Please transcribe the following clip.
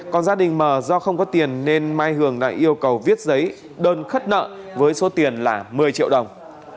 còn gia đình mờ do không có tiền nên mai hường đã yêu cầu viết giấy đơn khất nợ với số tiền là một mươi triệu đồng